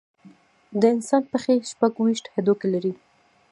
د انسان پښې شپږ ویشت هډوکي لري.